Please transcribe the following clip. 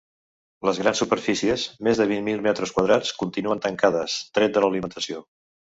Les grans superfícies –més de vint mil metres quadrats– continuen tancades, tret de l’alimentació.